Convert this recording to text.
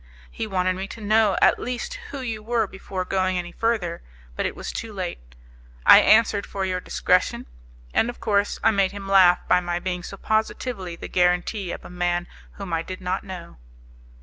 He wanted me to know at least who you were before going any further, but it was too late. I answered for your discretion, and of course I made him laugh by my being so positively the guarantee of a man whom I did not know."